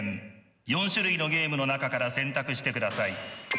４種類のゲームの中から選択してください。